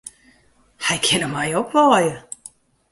Hy kin om my opwaaie.